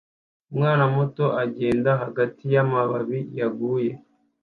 Umwana muto agenda hagati yamababi yaguye